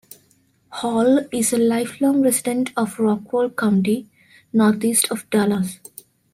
Hall is a lifelong resident of Rockwall County, northeast of Dallas.